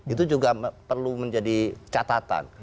itu juga perlu menjadi catatan